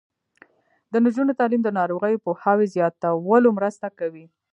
د نجونو تعلیم د ناروغیو پوهاوي زیاتولو مرسته کوي.